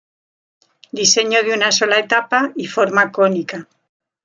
Diseño de una sola etapa y forma cónica.